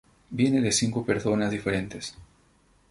Viene de cinco personas diferentes".